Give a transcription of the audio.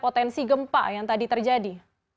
potensi gempa yang tadi terjadi